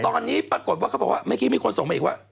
ตอนนี้ปรากฏว่าเขาบอกว่าเมื่อกี้มีคนส่งมาอีกว่า